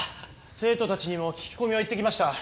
生徒たちにも聞き込みは行ってきました。